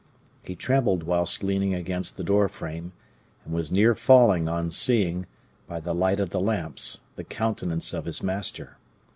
He trembled whilst leaning against the door frame, and was near falling on seeing, by the light of the lamps, the countenance of his master.